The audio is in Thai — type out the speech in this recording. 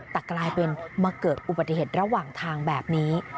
แต่กลายเป็นมาเกิดอุบัติเหตุระหว่างทางแบบนี้